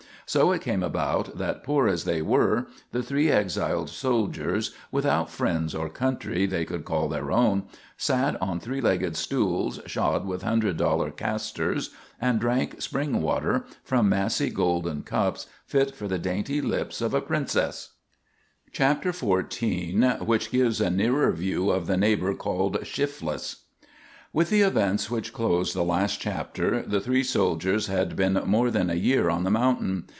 So it came about that, poor as they were, the three exiled soldiers, without friends or country they could call their own, sat on three legged stools shod with hundred dollar casters, and drank spring water from massy golden cups fit for the dainty lips of a princess. CHAPTER XIV WHICH GIVES A NEARER VIEW OF THE NEIGHBOR CALLED "SHIFLESS" With the events which closed the last chapter the three soldiers had been more than a year on the mountain.